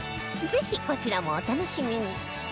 ぜひこちらもお楽しみに